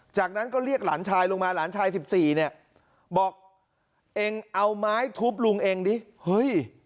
จากนั้นก็เรียกหลานชายลงมาหลานชายสิบสี่เนี่ยบอกเองเอาไม้ทุบลุงเองดิเฮ้ย